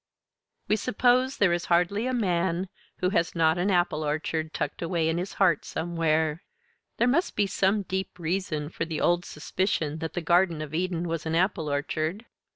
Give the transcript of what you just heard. We suppose there is hardly a man who has not an apple orchard tucked away in his heart somewhere. There must be some deep reason for the old suspicion that the Garden of Eden was an apple orchard.